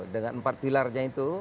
dengan empat pilarnya itu